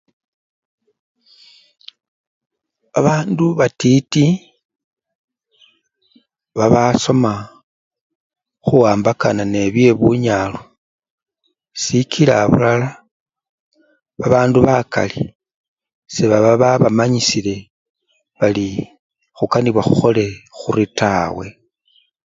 Abandu batiti babasoma khuwambakana nebye bunyalu sikila abulala babandu bakali sebaba babamanyisile bari khukanibwa khukhole khuri tawe.